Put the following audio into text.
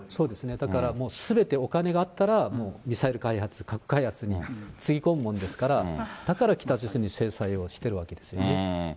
だからもう、すべてお金があったらもうミサイル開発、核開発につぎ込むものですから、だから北朝鮮に制裁をしてるわけですよね。